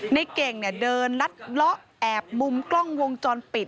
ในเก่งเนี่ยเดินลัดเลาะแอบมุมกล้องวงจรปิด